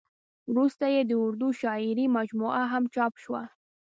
ورسته یې د اردو شاعرۍ مجموعه هم چاپ شوه.